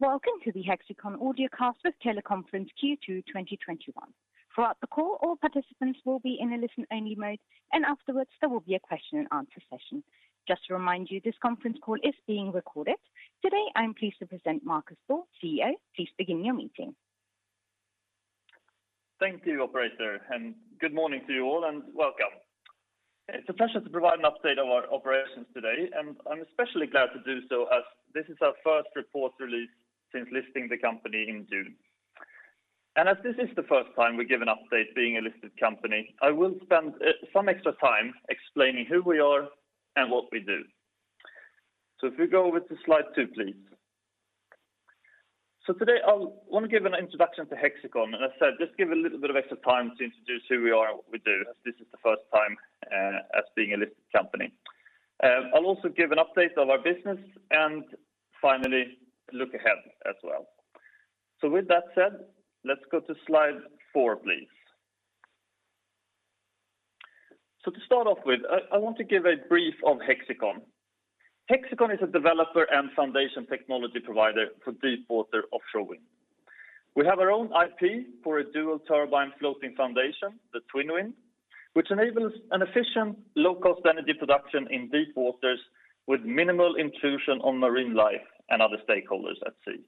Welcome to the Hexicon Audiocast with Teleconference Q2 2021. Throughout the call, all participants will be in a listen-only mode, and afterwards, there will be a question and answer session. Just to remind you, this conference call is being recorded. Today, I am pleased to present Marcus Thor, CEO. Please begin your meeting. Thank you, operator, good morning to you all and welcome. It's a pleasure to provide an update on our operations today, and I'm especially glad to do so as this is our first report release since listing the company in June. As this is the first time we give an update being a listed company, I will spend some extra time explaining who we are and what we do. If we go over to slide two, please. Today, I want to give an introduction to Hexicon. As I said, just give a little bit of extra time to introduce who we are and what we do, as this is the first time as being a listed company. I'll also give an update of our business and finally, look ahead as well. With that said, let's go to slide four, please. To start off with, I want to give a brief of Hexicon. Hexicon is a developer and foundation technology provider for deep-water offshore wind. We have our own IP for a dual turbine floating foundation, the TwinWind, which enables an efficient, low-cost energy production in deep waters with minimal intrusion on marine life and other stakeholders at sea.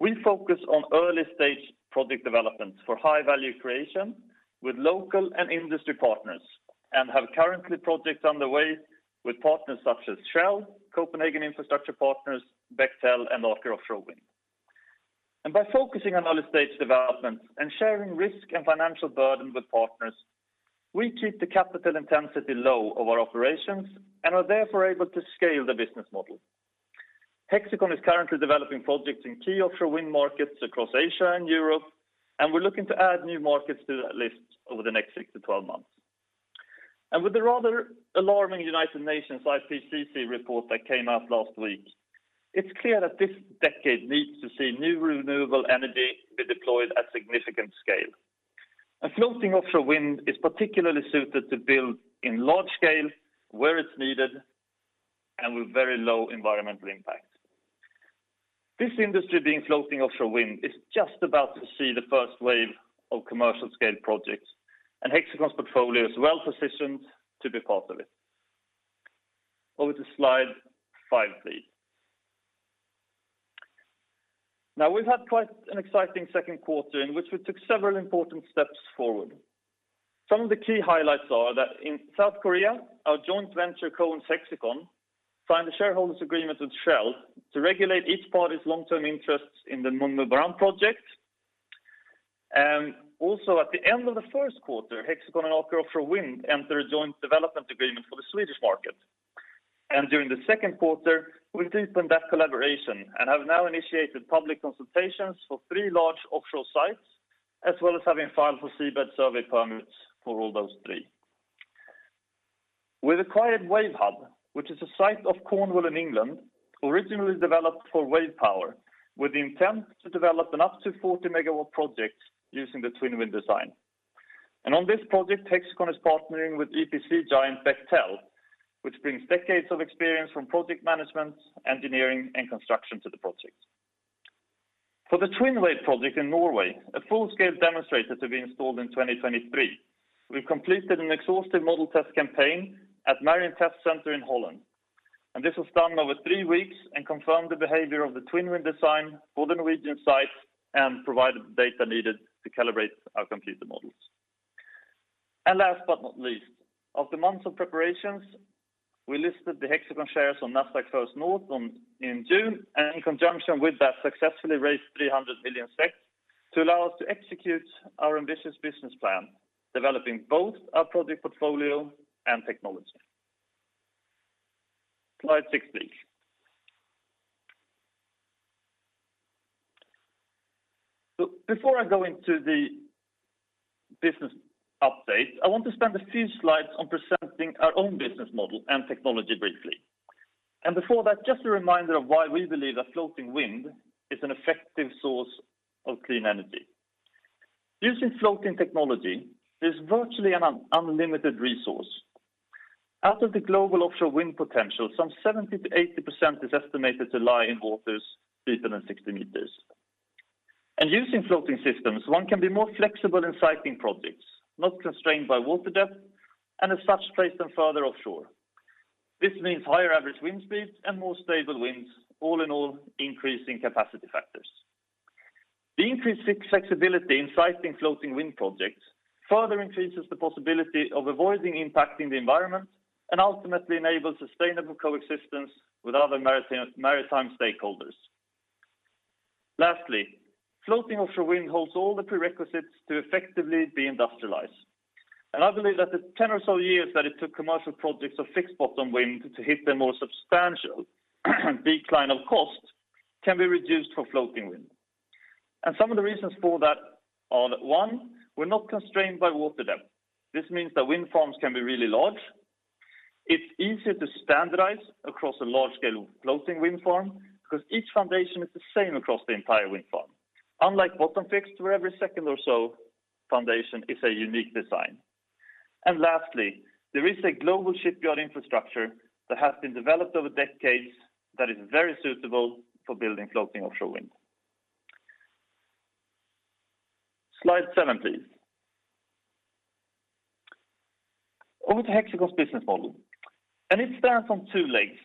We focus on early-stage project development for high value creation with local and industry partners, and have currently projects underway with partners such as Shell, Copenhagen Infrastructure Partners, Bechtel, and Ørsted Offshore Wind. By focusing on early-stage development and sharing risk and financial burden with partners, we keep the capital intensity low of our operations and are therefore able to scale the business model. Hexicon is currently developing projects in key offshore wind markets across Asia and Europe, we're looking to add new markets to that list over the next 6-12 months. With the rather alarming United Nations IPCC report that came out last week, it's clear that this decade needs to see new renewable energy be deployed at significant scale. Floating offshore wind is particularly suited to build in large scale, where it's needed, and with very low environmental impact. This industry, being floating offshore wind, is just about to see the first wave of commercial-scale projects, and Hexicon's portfolio is well-positioned to be part of it. Over to slide five, please. Now, we've had quite an exciting second quarter in which we took several important steps forward. Some of the key highlights are that in South Korea, our joint venture CoensHexicon signed a shareholders agreement with Shell to regulate each party's long-term interests in the MunmuBaram project. At the end of the first quarter, Hexicon and Ørsted Offshore Wind entered a joint development agreement for the Swedish market. During the second quarter, we deepened that collaboration and have now initiated public consultations for three large offshore sites, as well as having filed for seabed survey permits for all those three. We've acquired Wave Hub, which is a site off Cornwall in England, originally developed for wave power, with the intent to develop an up to 40 MW project using the TwinWind design. On this project, Hexicon is partnering with EPC giant Bechtel, which brings decades of experience from project management, engineering, and construction to the project. For the TwinWay project in Norway, a full-scale demonstrator to be installed in 2023. We've completed an exhaustive model test campaign at MARIN Test Center in the Netherlands. This was done over three weeks and confirmed the behavior of the TwinWind design for the Norwegian site and provided the data needed to calibrate our computer models. Last but not least, after months of preparations, we listed the Hexicon shares on Nasdaq First North in June, and in conjunction with that, successfully raised 300 million to allow us to execute our ambitious business plan, developing both our project portfolio and technology. Slide six, please. Before I go into the business update, I want to spend a few slides on presenting our own business model and technology briefly. Before that, just a reminder of why we believe that floating wind is an effective source of clean energy. Using floating technology is virtually an unlimited resource. Out of the global offshore wind potential, some 70%-80% is estimated to lie in waters deeper than 60 meters. Using floating systems, one can be more flexible in siting projects, not constrained by water depth, and as such, place them farther offshore. This means higher average wind speeds and more stable winds, all in all, increasing capacity factors. The increased flexibility in siting floating wind projects further increases the possibility of avoiding impacting the environment and ultimately enables sustainable coexistence with other maritime stakeholders. Lastly, floating offshore wind holds all the prerequisites to effectively be industrialized. I believe that the 10 or so years that it took commercial projects of fixed-bottom wind to hit the more substantial decline of cost can be reduced for floating wind. Some of the reasons for that are that, one, we're not constrained by water depth. This means that wind farms can be really large. It's easier to standardize across a large-scale floating wind farm because each foundation is the same across the entire wind farm. Unlike bottom-fixed, where every second or so foundation is a unique design. Lastly, there is a global shipyard infrastructure that has been developed over decades that is very suitable for building floating offshore wind. Slide seven please. Over to Hexicon's business model, and it stands on two legs.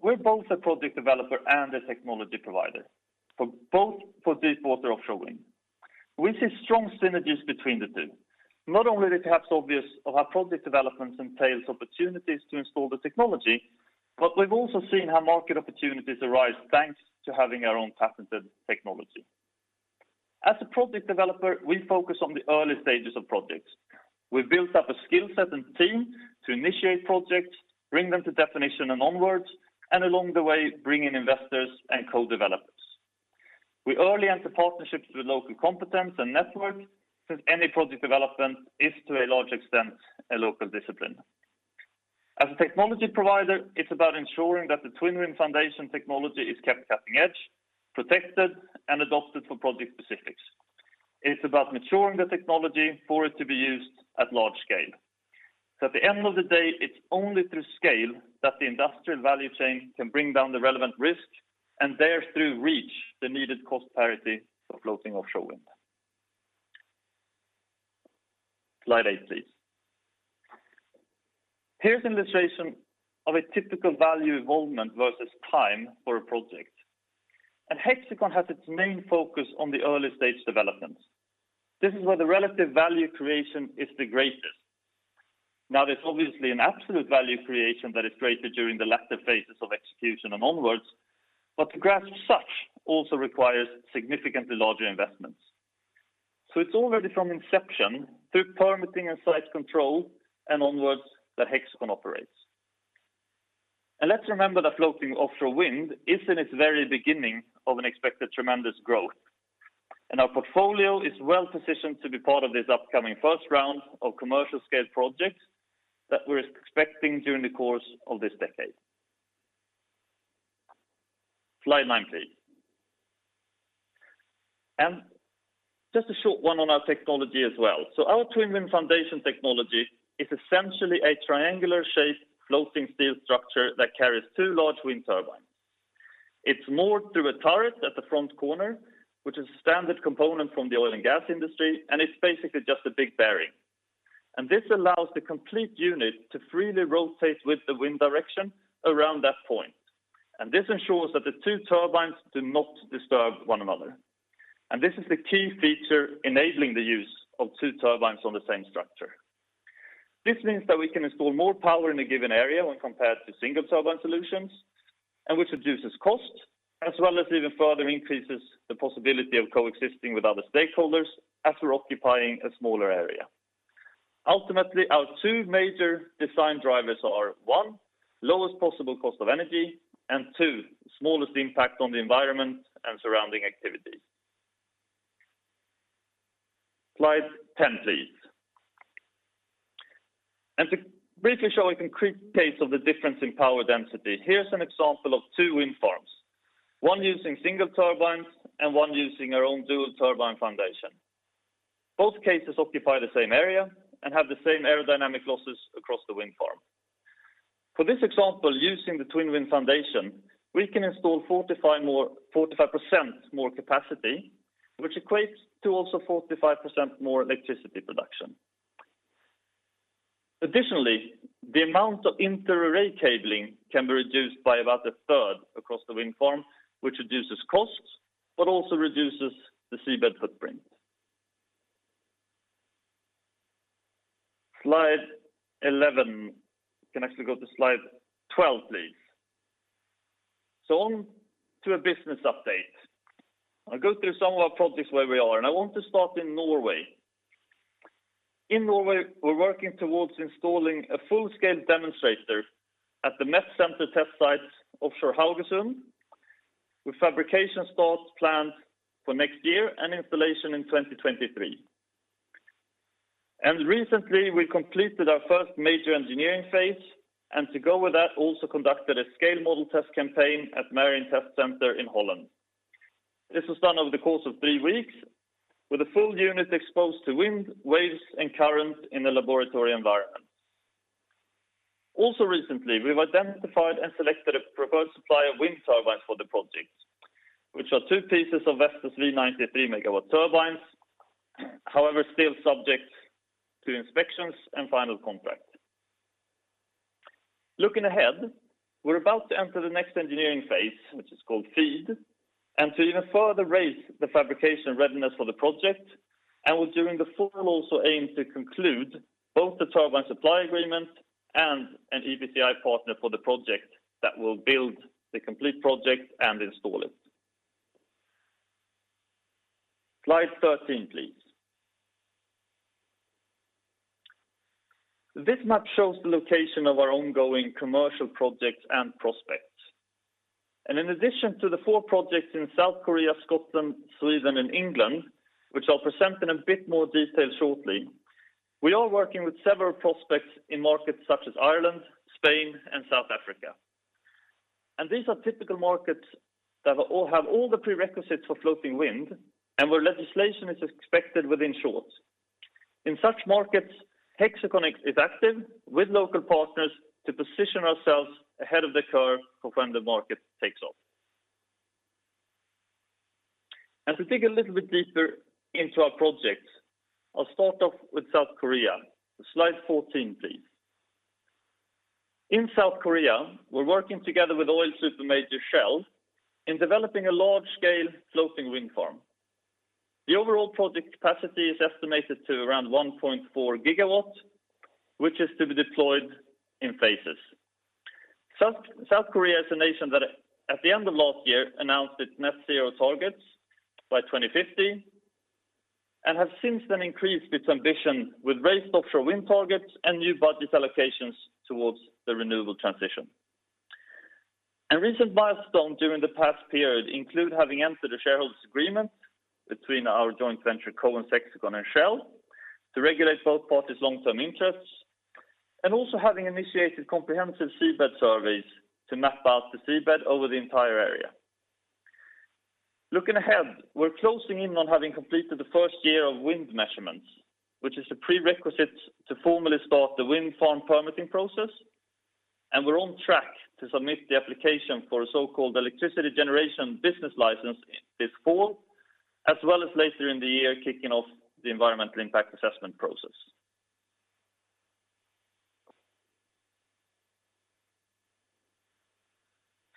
We're both a project developer and a technology provider for deep water offshore wind. We see strong synergies between the two. Not only is it perhaps obvious our project developments entails opportunities to install the technology, but we've also seen how market opportunities arise thanks to having our own patented technology. As a project developer, we focus on the early stages of projects. We've built up a skill set and team to initiate projects, bring them to definition and onwards, and along the way, bring in investors and co-developers. We early enter partnerships with local competence and network, since any project development is, to a large extent, a local discipline. As a technology provider, it's about ensuring that the TwinWind foundation technology is kept cutting edge, protected, and adopted for project specifics. It's about maturing the technology for it to be used at large scale. At the end of the day, it's only through scale that the industrial value chain can bring down the relevant risk, and thence through reach the needed cost parity for floating offshore wind. Slide eight, please. Here's an illustration of a typical value involvement versus time for a project. Hexicon has its main focus on the early-stage development. This is where the relative value creation is the greatest. There's obviously an absolute value creation that is greater during the latter phases of execution and onwards. To graph such also requires significantly larger investments. It's already from inception through permitting and site control and onwards that Hexicon operates. Let's remember that floating offshore wind is in its very beginning of an expected tremendous growth. Our portfolio is well-positioned to be part of this upcoming first round of commercial-scale projects that we're expecting during the course of this decade. Slide nine, please. Just a short one on our technology as well. Our TwinWind foundation technology is essentially a triangular-shaped floating steel structure that carries two large wind turbines. It's moored through a turret at the front corner, which is a standard component from the oil and gas industry. It's basically just a big bearing. This allows the complete unit to freely rotate with the wind direction around that point. This ensures that the two turbines do not disturb one another. This is the key feature enabling the use of two turbines on the same structure. This means that we can install more power in a given area when compared to single-turbine solutions, and which reduces cost, as well as even further increases the possibility of coexisting with other stakeholders after occupying a smaller area. Ultimately, our two major design drivers are, one, lowest possible cost of energy, and two, smallest impact on the environment and surrounding activities. Slide 10, please. To briefly show a concrete case of the difference in power density, here's an example of two wind farms, one using single turbines and one using our own dual turbine foundation. Both cases occupy the same area and have the same aerodynamic losses across the wind farm. For this example, using the TwinWind foundation, we can install 45% more capacity, which equates to also 45% more electricity production. Additionally, the amount of inter-array cabling can be reduced by about a third across the wind farm, which reduces costs but also reduces the seabed footprint. Slide 11. Can actually go to slide 12, please. On to a business update. I'll go through some of our projects where we are, and I want to start in Norway. In Norway, we're working towards installing a full-scale demonstrator at the MET Center test site offshore Haugesund, with fabrication start planned for next year and installation in 2023. Recently, we completed our first major engineering phase, and to go with that, also conducted a scale model test campaign at Maritime Research Institute Netherlands. This was done over the course of three weeks, with a full unit exposed to wind, waves, and current in a laboratory environment. Also recently, we've identified and selected a preferred supplier wind turbine for the project, which are two pieces of Vestas V90 3 MW turbines, however, still subject to inspections and final contract. Looking ahead, we're about to enter the next engineering phase, which is called FEED, and to even further raise the fabrication readiness for the project, and we're during the fall also aim to conclude both the turbine supply agreement and an EPCI partner for the project that will build the complete project and install it. Slide 13, please. This map shows the location of our ongoing commercial projects and prospects. In addition to the four projects in South Korea, Scotland, Sweden, and England, which I'll present in a bit more detail shortly, we are working with several prospects in markets such as Ireland, Spain, and South Africa. These are typical markets that have all the prerequisites for floating wind and where legislation is expected within short. In such markets, Hexicon is active with local partners to position ourselves ahead of the curve for when the market takes off. To dig a little bit deeper into our projects, I'll start off with South Korea. Slide 14, please. In South Korea, we're working together with oil super major Shell in developing a large-scale floating wind farm. The overall project capacity is estimated to around 1.4 gigawatts, which is to be deployed in phases. South Korea is a nation that, at the end of last year, announced its net zero targets by 2050 and has since then increased its ambition with raised offshore wind targets and new budget allocations towards the renewable transition. Recent milestones during the past period include having entered a shareholders agreement between our joint venture co, Hexicon and Shell, to regulate both parties' long-term interests, and also having initiated comprehensive seabed surveys to map out the seabed over the entire area. Looking ahead, we're closing in on having completed the first year of wind measurements, which is a prerequisite to formally start the wind farm permitting process. We're on track to submit the application for a so-called Electricity Business License this fall, as well as later in the year, kicking off the environmental impact assessment process.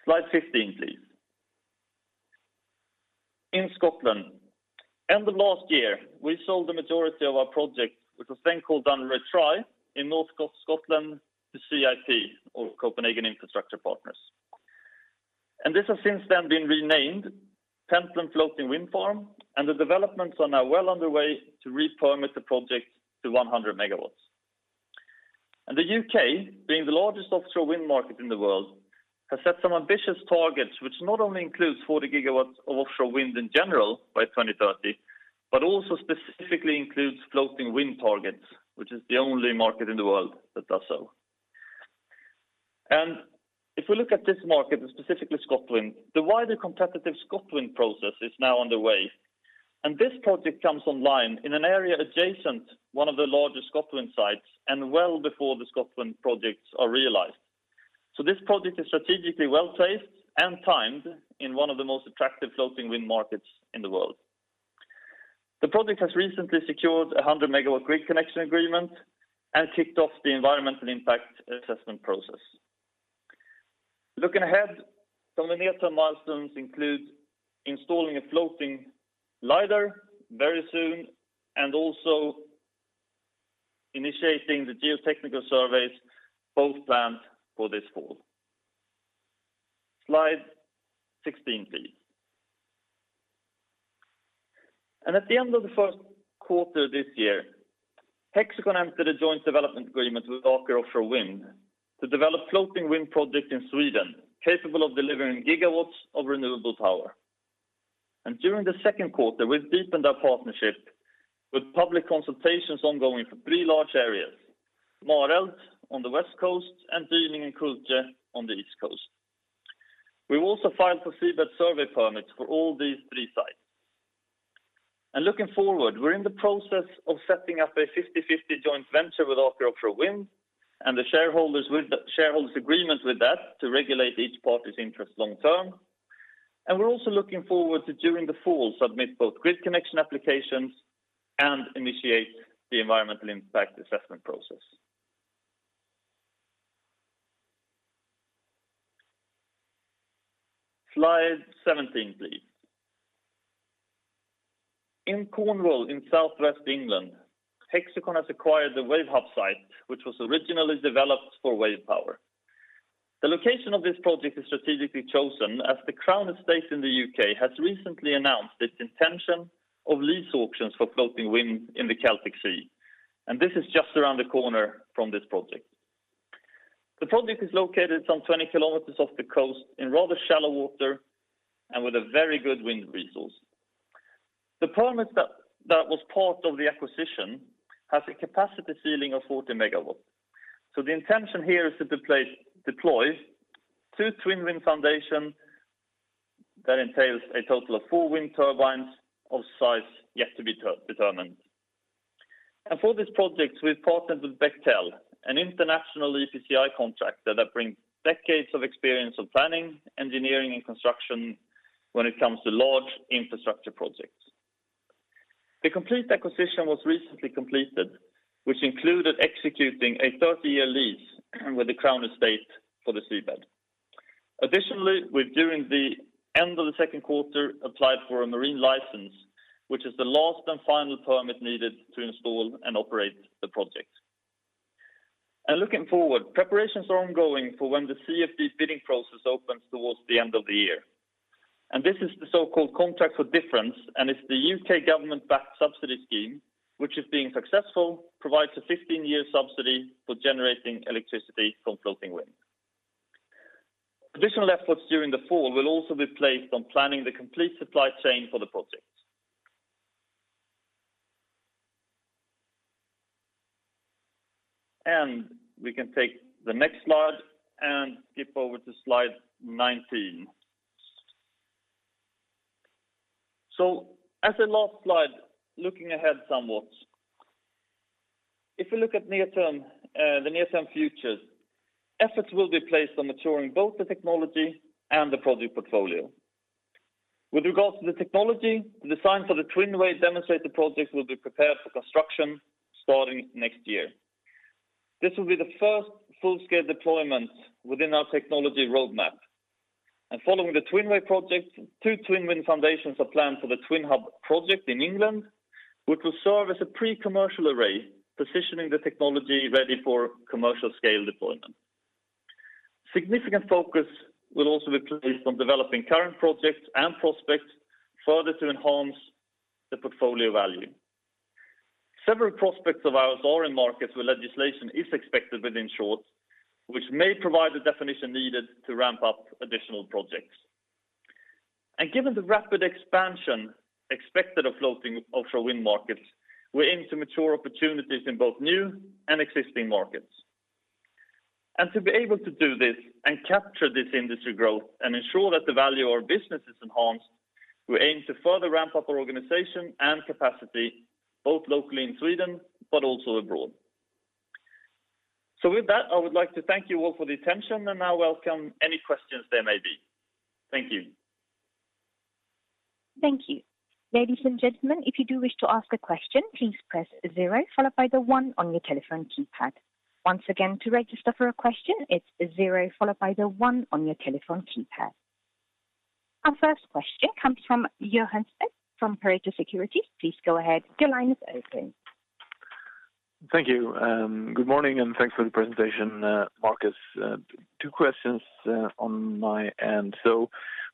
Slide 15, please. In Scotland, end of last year, we sold the majority of our project, which was then called Dounreay, in North Scotland to CIP or Copenhagen Infrastructure Partners. This has since then been renamed Pentland Floating Wind Farm, and the developments are now well underway to re-permit the project to 100 MW. The U.K., being the largest offshore wind market in the world, has set some ambitious targets, which not only includes 40 GW of offshore wind in general by 2030, but also specifically includes floating wind targets, which is the only market in the world that does so. If we look at this market, and specifically Scotland, the wider competitive ScotWind process is now underway, and this project comes online in an area adjacent one of the largest ScotWind sites and well before the ScotWind projects are realized. This project is strategically well-placed and timed in one of the most attractive floating wind markets in the world. The project has recently secured 100 MW grid connection agreement and kicked off the environmental impact assessment process. Looking ahead, some of the near-term milestones include installing a floating lidar very soon and also initiating the geotechnical surveys, both planned for this fall. Slide 16, please. At the end of the first quarter this year, Hexicon entered a joint development agreement with Aker Offshore Wind to develop floating wind projects in Sweden, capable of delivering gigawatts of renewable power. During the second quarter, we've deepened our partnership with public consultations ongoing for three large areas, Mareld on the west coast and Dyning and Cirrus on the east coast. We've also filed for seabed survey permits for all these three sites. Looking forward, we're in the process of setting up a 50/50 joint venture with Aker Offshore Wind and the shareholders agreement with that to regulate each party's interest long-term. We're also looking forward to, during the fall, submit both grid connection applications and initiate the environmental impact assessment process. Slide 17, please. In Cornwall, in southwest England, Hexicon has acquired the Wave Hub site, which was originally developed for wave power. The location of this project is strategically chosen as The Crown Estate in the U.K. has recently announced its intention of lease auctions for floating wind in the Celtic Sea, and this is just around the corner from this project. The project is located some 20 km off the coast in rather shallow water and with a very good wind resource. The permit that was part of the acquisition has a capacity ceiling of 40 MW. The intention here is to deploy two TwinWind foundation that entails a total of four wind turbines of size yet to be determined. For this project, we've partnered with Bechtel, an international EPCI contractor that brings decades of experience of planning, engineering, and construction when it comes to large infrastructure projects. The complete acquisition was recently completed, which included executing a 30-year lease with The Crown Estate for the seabed. Additionally, we've during the end of the second quarter, applied for a marine license, which is the last and final permit needed to install and operate the project. Looking forward, preparations are ongoing for when the CfD bidding process opens towards the end of the year. This is the so-called Contract for Difference, and it's the U.K. government-backed subsidy scheme, which is being successful, provides a 15-year subsidy for generating electricity from floating wind. Additional efforts during the fall will also be placed on planning the complete supply chain for the project. We can take the next slide and skip over to slide 19. As a last slide, looking ahead somewhat. If you look at the near-term futures, efforts will be placed on maturing both the technology and the project portfolio. With regards to the technology, the design for the TwinWay demonstrator project will be prepared for construction starting next year. This will be the first full-scale deployment within our technology roadmap. Following the TwinWay project, two TwinWind foundations are planned for the TwinHub project in England, which will serve as a pre-commercial array, positioning the technology ready for commercial scale deployment. Significant focus will also be placed on developing current projects and prospects further to enhance the portfolio value. Several prospects of ours are in markets where legislation is expected within short, which may provide the definition needed to ramp up additional projects. Given the rapid expansion expected of floating offshore wind markets, we aim to mature opportunities in both new and existing markets. To be able to do this and capture this industry growth and ensure that the value of our business is enhanced, we aim to further ramp up our organization and capacity, both locally in Sweden but also abroad. With that, I would like to thank you all for the attention, and I welcome any questions there may be. Thank you. Thank you. Ladies and gentlemen, if you do wish to ask a question, please press zero followed by the one on your telephone keypad. Once again, to register for a question, it's zero followed by the one on your telephone keypad. Our first question comes from Johan Spetz from Pareto Securities. Please go ahead. Your line is open. Thank you. Good morning, and thanks for the presentation, Marcus. Two questions on my end.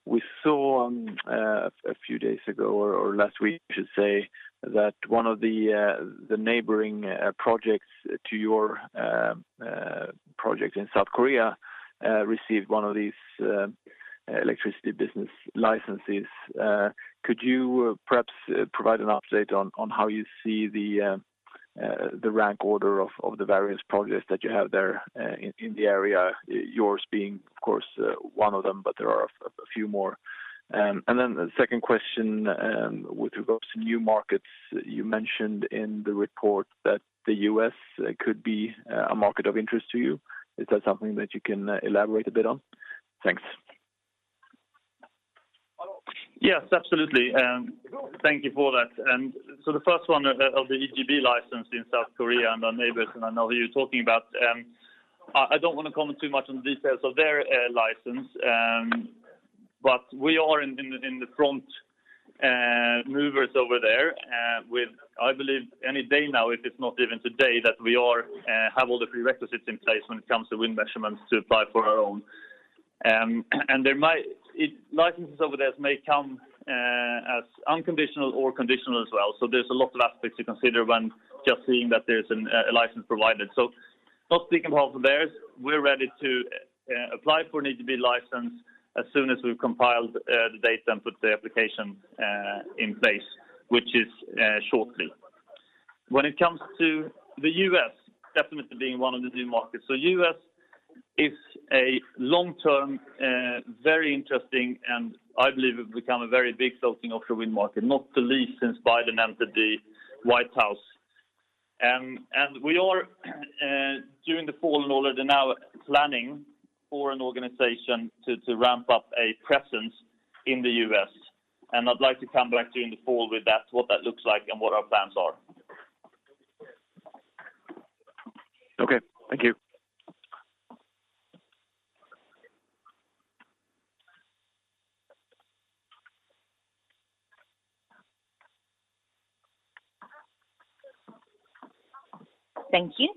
We saw a few days ago or last week, I should say, that one of the neighboring projects to your project in South Korea received one of these Electricity Business Licenses. Could you perhaps provide an update on how you see the rank order of the various projects that you have there in the area, yours being, of course, one of them, but there are a few more. The second question, with regards to new markets, you mentioned in the report that the U.S. could be a market of interest to you. Is that something that you can elaborate a bit on? Thanks. Yes, absolutely. Thank you for that. The first one of the EBL license in South Korea and our neighbors, and I know who you're talking about. I don't want to comment too much on the details of their license. We are in the front movers over there with, I believe any day now, if it's not even today, that we have all the prerequisites in place when it comes to wind measurements to apply for our own. Licenses over there may come as unconditional or conditional as well. There's a lot of aspects to consider when just seeing that there's a license provided. Not speaking for theirs, we're ready to apply for an EBL license as soon as we've compiled the data and put the application in place, which is shortly. When it comes to the U.S., definitely being one of the new markets. U.S. is a long-term, very interesting, and I believe it will become a very big floating offshore wind market, not the least since Biden entered the White House. We are, during the fall and already now, planning for an organization to ramp up a presence in the U.S. I'd like to come back to you in the fall with what that looks like and what our plans are. Okay. Thank you. Thank you.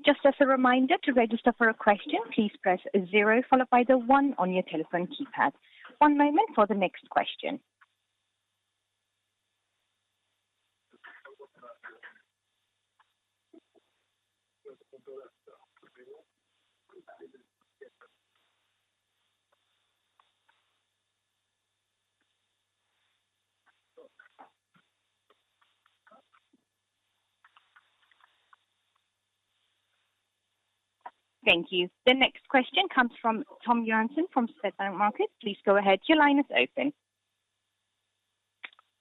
Thank you. The next question comes from Thom Johansson from Swedbank Markets, please go ahead. Your line is open.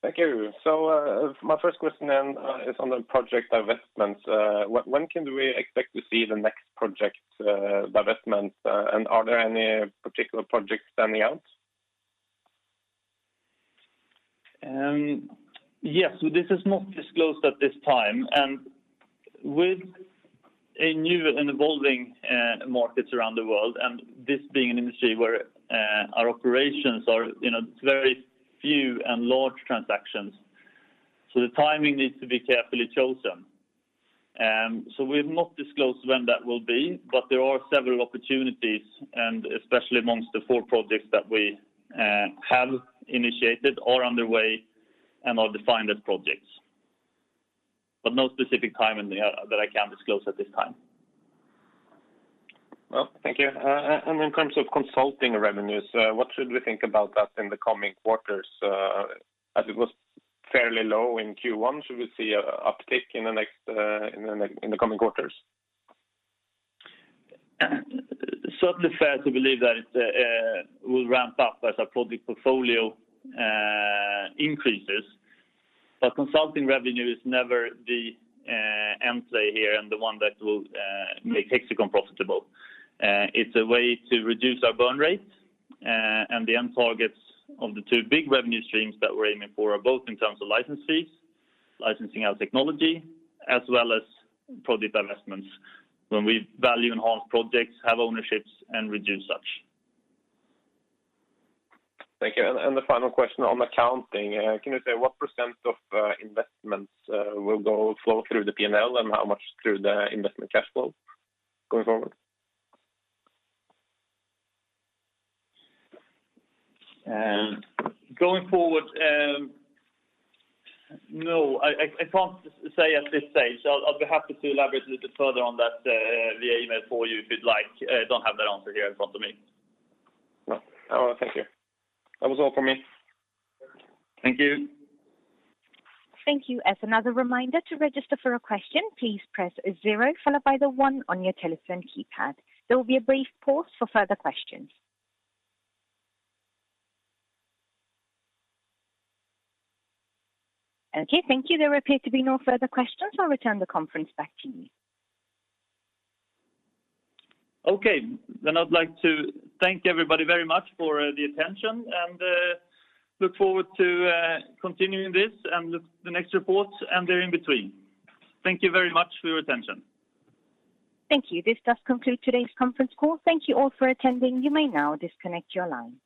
Thank you. My first question then is on the project divestments. When can we expect to see the next project divestment, and are there any particular projects standing out? Yes. This is not disclosed at this time. With new and evolving markets around the world, and this being an industry where our operations are very few and large transactions, so the timing needs to be carefully chosen. We've not disclosed when that will be, but there are several opportunities, and especially amongst the four projects that we have initiated, are underway, and are defined as projects. No specific timing that I can disclose at this time. Well, thank you. In terms of consulting revenues, what should we think about that in the coming quarters, as it was fairly low in Q1? Should we see an uptick in the coming quarters? Certainly fair to believe that it will ramp up as our public portfolio increases, consulting revenue is never the end play here and the one that will make Hexicon profitable. It's a way to reduce our burn rate. The end targets of the two big revenue streams that we're aiming for are both in terms of licenses, licensing our technology, as well as product investments, when we value enhance projects, have ownership, and reduce such. Thank you. The final question on accounting. Can you say what % of investments will flow through the P&L and how much through the investment cash flow going forward? Going forward, no, I can't say at this stage. I'll be happy to elaborate a little further on that via email for you if you'd like. I don't have that answer here in front of me. Well, thank you. That was all for me. Thank you. Thank you. As another reminder, to register for a question, please press zero followed by the one on your telephone keypad. There will be a brief pause for further questions. Okay, thank you. There appear to be no further questions. I'll return the conference back to you. Okay, I'd like to thank everybody very much for the attention and look forward to continuing this and the next reports and therein between. Thank you very much for your attention. Thank you. This does conclude today's conference call. Thank you all for attending. You may now disconnect your line.